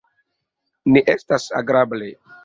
Ne estas agrable!